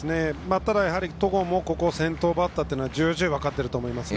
ただ戸郷もここの先頭バッターというのはじゅうじゅう分かっていると思いますね。